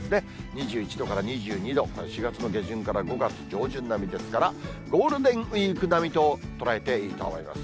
２１度から２２度、これ、４月の下旬から５月上旬並みですから、ゴールデンウィーク並みと捉えていいと思います。